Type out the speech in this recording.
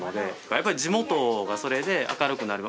やっぱり地元がそれで明るくなれば。